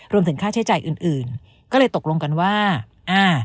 รวมถึงค่าใช้จ่ายอื่นอื่นก็เลยตกลงกันว่าอ่า